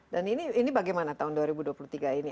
dan ini bagaimana tahun dua ribu dua puluh tiga ini